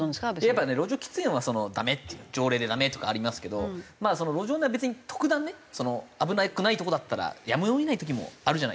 やっぱね路上喫煙はダメって条例でダメとかありますけど路上寝は別に特段ね危なくないとこだったらやむを得ない時もあるじゃないですか。